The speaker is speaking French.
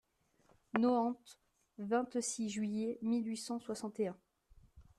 Nohant, vingt-six juillet mille huit cent soixante et un.